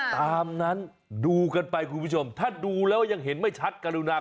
ตามนั้นดูกันไปคุณผู้ชมถ้าดูแล้วยังเห็นไม่ชัดกรุณา